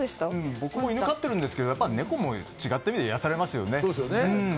僕も犬飼ってるんですけどやっぱり猫も違った意味で癒やされますよね。